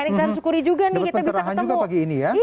kita harus syukuri juga nih kita bisa ketemu